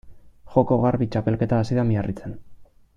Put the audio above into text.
Joko Garbi txapelketa hasi da Miarritzen.